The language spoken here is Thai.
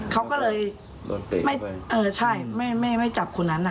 เขาก็เลยเออใช่ไม่จับคุณนั้นอ่ะ